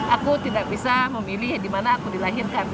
aku tidak bisa memilih di mana aku dilahirkan